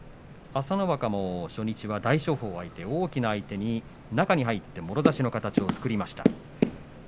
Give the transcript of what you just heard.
朝乃若も初日、大きな相手に中に入ってもろ差しの形を取りました。